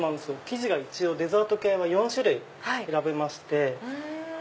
生地が一応デザート系は４種類選べまして。